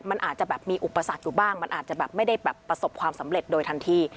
มันอาจจะแบบมีอุปสรรคอยู่บ้างมันอาจจะแบบไม่ได้แบบประสบความสำเร็จโดยทันที